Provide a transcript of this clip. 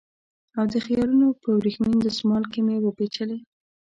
او د خیالونو په وریښمین دسمال کې مې وپېچلې